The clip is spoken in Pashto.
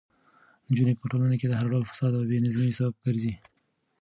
نجونې په ټولنه کې د هر ډول فساد او بې نظمۍ سبب ګرځي.